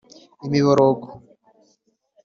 imiborogo